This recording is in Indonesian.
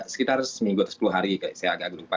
sekitar seminggu atau sepuluh hari saya agak agak lupa